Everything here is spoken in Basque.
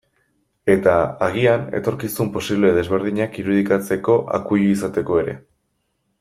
Eta, agian, etorkizun posible desberdinak irudikatzeko akuilu izateko ere.